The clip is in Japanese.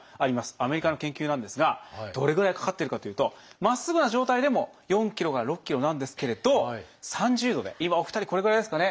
アメリカの研究なんですがどれぐらいかかっているかというとまっすぐな状態でも４ｋｇから６ｋｇなんですけれど３０度で今お二人これぐらいですかね。